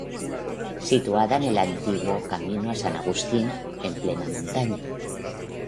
Situada en el antiguo camino a San Agustín, en plena montaña.